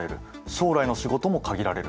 将来の仕事も限られる。